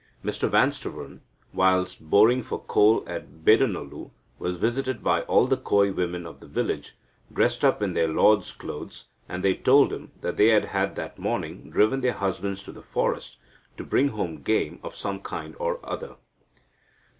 Mr Vanstavern, whilst boring for coal at Beddanolu, was visited by all the Koi women of the village, dressed up in their lord's clothes, and they told him that they had that morning driven their husbands to the forest, to bring home game of some kind or other."